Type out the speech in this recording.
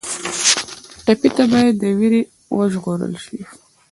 ټپي ته باید له وېرې وژغورل شي.